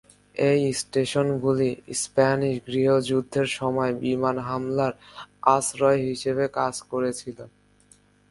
এই স্টেশনগুলি স্প্যানিশ গৃহযুদ্ধের সময় বিমান হামলার আশ্রয় হিসাবে কাজ করেছিল।